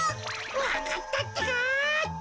わかったってか。